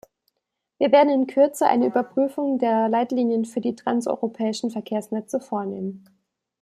Wir werden in Kürze eine Überprüfung der Leitlinien für die transeuropäischen Verkehrsnetze vornehmen.